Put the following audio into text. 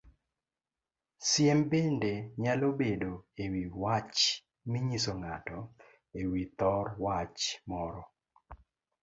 Siem bende nyalo bedo ewii wach minyiso ng'ato ewi thor wach moro